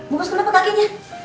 bos kenapa kakinya